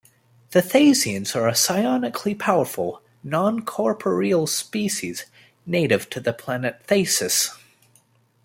The Thasians are a psionically powerful, non-corporeal species, native to the planet Thasus.